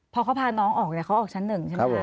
พอเขาพาน้องออกเนี่ยเขาออกชั้น๑ใช่ไหมคะ